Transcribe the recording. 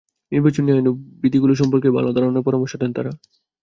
নির্বাচনী আইন ও বিধিগুলো সম্পর্কে ভালো ধারণা রাখার পরামর্শ দেন তাঁরা।